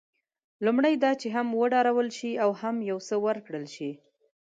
لومړی دا چې هم وډارول شي او هم یو څه ورکړل شي.